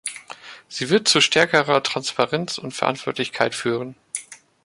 Sie wird zu stärkerer Transparenz und Verantwortlichkeit führen.